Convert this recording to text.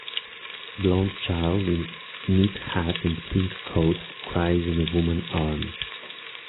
blond child in knit hat and pink coat cries in a woman arms.